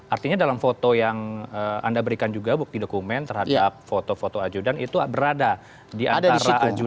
artinya dalam foto yang anda berikan juga bukti dokumen terhadap foto foto ajudan itu berada di antara ajudan